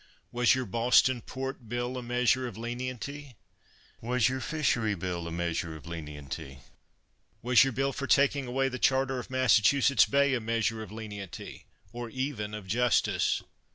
Was your Boston Port Bill a measure of lenity? Was your Fishery Bill a measure of lenity? Was your Bill for taking away the charter of Massachusetts Bay a measure of lenity, or even of justice?